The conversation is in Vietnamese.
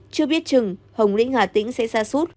chưa biết chừng hồng lĩnh hà tĩnh sẽ ra suốt